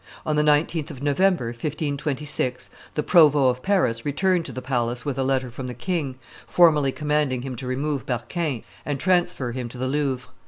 On the 19th of November, 1526, the provost of Paris returned to the palace with a letter from the king, formally commanding him to remove Berquin and transfer him to the Louvre.